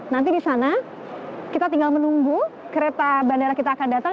nanti di sana kita tinggal menunggu kereta bandara kita akan datang